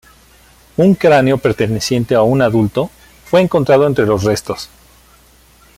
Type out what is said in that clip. Un cráneo perteneciente a un adulto fue encontrado entre los restos.